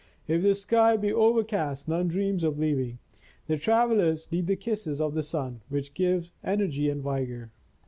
If the sky be overcast, none dreams of leaving. The travellers need the kisses of the sun, which give energy and vigor.